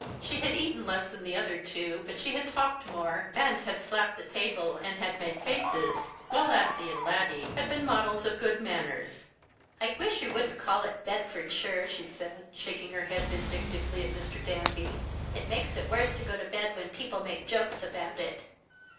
She had eaten less than the other two, but she had talked more, and had slapped the table, and had made faces, while Lassie and Laddie had been models of good manners. " I wish you wouldn't call it Bedfordshire," she said, shaking her head vindictively at Mr. Danby. " It makes it worse to go to bed when people make jokes about it